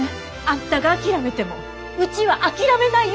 あんたが諦めてもうちは諦めないよ！